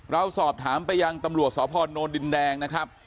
เราสอบถามไปยังตำรวจสพนดินแดงนะครับ